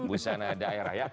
busana daerah ya